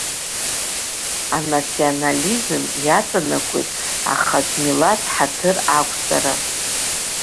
Анационализм иаҵанакуеит ахатә милаҭ ҳаҭыр ақәҵара.